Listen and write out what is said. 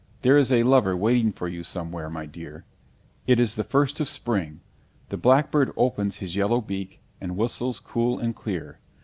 There is a lover waiting for you somewhere, my dear._ It is the first of Spring. The blackbird opens his yellow beak, and whistles cool and clear.